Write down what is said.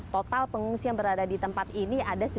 total pengungsian berada di tempat ini ada sembilan ratus orang